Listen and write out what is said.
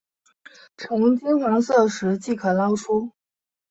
呈金黄色时即可捞出。